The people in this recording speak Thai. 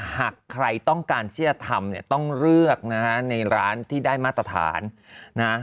หากใครต้องการที่จะทำเนี่ยต้องเลือกนะฮะในร้านที่ได้มาตรฐานนะ